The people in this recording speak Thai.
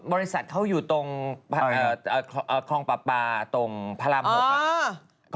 บริษัทเข้าอยู่ตรงของพระพระตรงพระรามหก